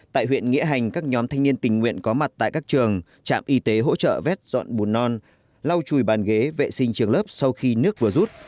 tại huyện nghĩa hành các nhóm thanh niên tình nguyện có mặt tại các trường trạm y tế hỗ trợ vét dọn bùn non lau chùi bàn ghế vệ sinh trường lớp sau khi nước vừa rút